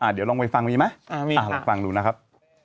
เดี๋ยวลองไปฟังมีไหมลองฟังดูนะครับ